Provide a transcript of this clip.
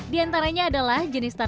di antaranya adalah jenis tanaman